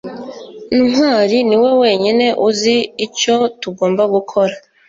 ntwali niwe wenyine uzi icyo tugomba gukora